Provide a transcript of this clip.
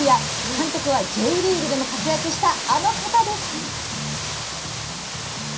監督はＪリーグでも活躍したあの方です。